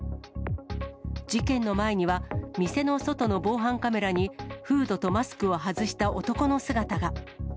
事件の前には、店の外の防犯カメラに、フードとマスクを外した男の姿が。